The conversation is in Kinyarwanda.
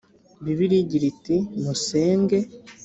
bibiliya igira iti musenge